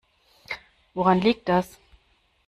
Woran liegt das?